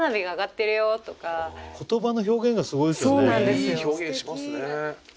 いい表現しますね。